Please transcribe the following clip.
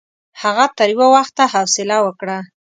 هغه تر یوه وخته حوصله وکړه.